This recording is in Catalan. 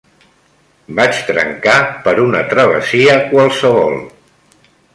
Vaig trencar per una travessia qualsevol